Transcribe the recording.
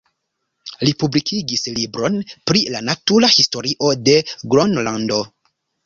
Li publikigis libron pri la natura historio de Gronlando.